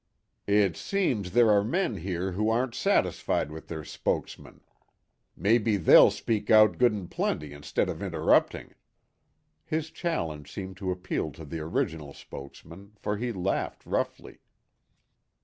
"It seems there are men here who aren't satisfied with their spokesmen. Maybe they'll speak out good and plenty, instead of interrupting." His challenge seemed to appeal to the original spokesman, for he laughed roughly.